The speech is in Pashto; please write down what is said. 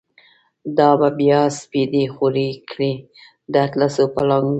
دا به بیا سپیدی خوری کړی، د اطلسو پا لنگونه